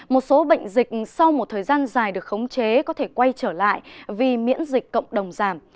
một số bệnh dịch sau một thời gian dài được khống chế có thể quay trở lại vì miễn dịch cộng đồng giảm